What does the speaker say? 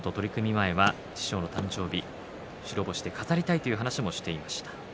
前は師匠の誕生日白星で飾りたいと話していました。